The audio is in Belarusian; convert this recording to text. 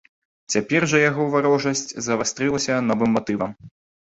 Цяпер жа яго варожасць завастрылася новым матывам.